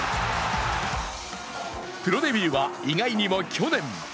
プロデビューは意外にも去年。